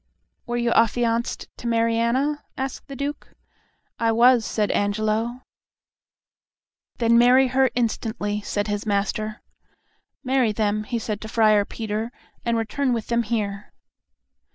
"Were you affianced to Mariana?" asked the Duke. "I was," said Angelo. "Then marry her instantly," said his master. "Marry them," he said to Friar Peter, "and return with them here."